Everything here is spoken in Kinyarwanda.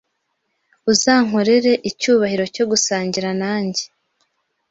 Uzankorera icyubahiro cyo gusangira nanjye?